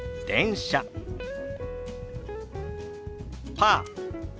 「パー」。